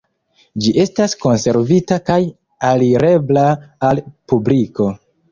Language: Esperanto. Ĝi estas konservita kaj alirebla al publiko.